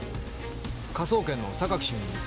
科捜研の榊主任です。